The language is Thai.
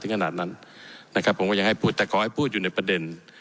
ขนาดนั้นนะครับผมก็ยังให้พูดแต่ขอให้พูดอยู่ในประเด็น